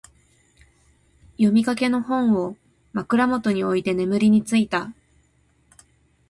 読みかけの本を、枕元に置いて眠りについた。